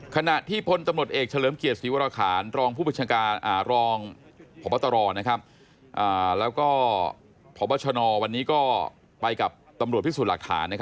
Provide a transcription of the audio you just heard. ขณะที่พลตำรวจเอกเฉลิมเกียรติศรีวรคารรองพบตรแล้วก็พบชนวันนี้ก็ไปกับตำรวจพิสูจน์หลักฐาน